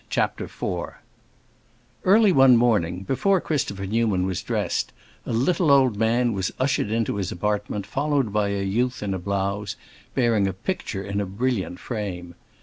CHAPTER IV Early one morning, before Christopher Newman was dressed, a little old man was ushered into his apartment, followed by a youth in a blouse, bearing a picture in a brilliant frame.